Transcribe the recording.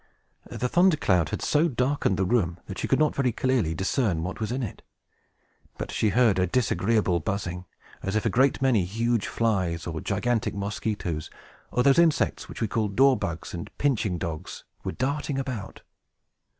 The thunder cloud had so darkened the room that she could not very clearly discern what was in it. But she heard a disagreeable buzzing, as if a great many huge flies, or gigantic mosquitoes, or those insects which we call dor bugs, and pinching dogs, were darting about.